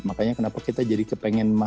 makanya kenapa kita jadi kepengen